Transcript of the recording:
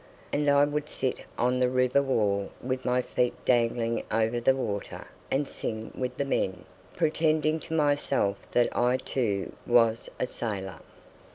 And I would sit on the river wall with my feet dangling over the water and sing with the men, pretending to myself that I too was a sailor.